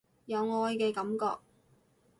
有愛嘅感覺